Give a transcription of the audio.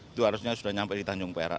itu harusnya sudah nyampe di tanjung perak